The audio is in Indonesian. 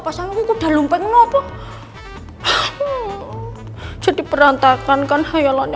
mas randy sayang kiki akan setia kepada aku kembang ongkongnya